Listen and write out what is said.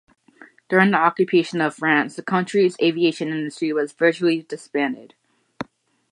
During the occupation of France the country's aviation industry was virtually disbanded.